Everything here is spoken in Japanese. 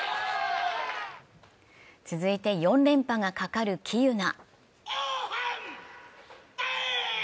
続いて４連覇がかかる喜友名。